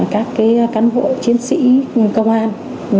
các cái căn hội chiến sĩ công an